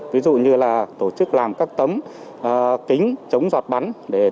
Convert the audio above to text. ví dụ như là tổ chức làm các tấm kính chống giọt bắn